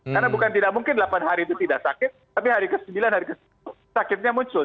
karena bukan tidak mungkin delapan hari itu tidak sakit tapi hari ke sembilan hari ke sepuluh sakitnya muncul